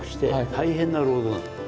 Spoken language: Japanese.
大変な労働なんです。